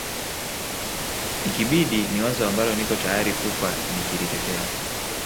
ikibidi ni wazo ambalo niko tayari kufa nikilitetea